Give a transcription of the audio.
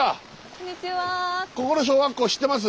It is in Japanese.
こんにちは。